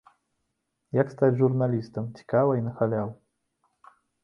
Як стаць журналістам цікава і на халяву?